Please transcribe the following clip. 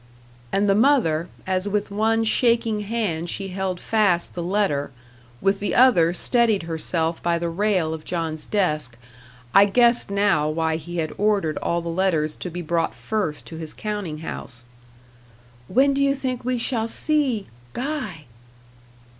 And the mother, as with one shaking hand she held fast the letter, with the other steadied herself by the rail of John's desk I guessed now why he had ordered all the letters to be brought first to his counting house. "When do you think we shall see Guy?"